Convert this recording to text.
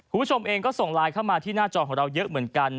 คุณผู้ชมเองก็ส่งไลน์เข้ามาที่หน้าจอของเราเยอะเหมือนกัน